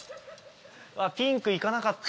ピンク行かなかった。